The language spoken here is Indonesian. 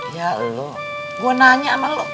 ya elu gue nanya sama elu